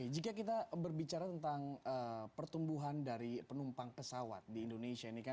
jika kita berbicara tentang pertumbuhan dari penumpang pesawat di indonesia ini kan